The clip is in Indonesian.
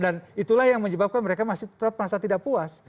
dan itulah yang menyebabkan mereka masih tetap merasa tidak puas